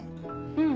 うん。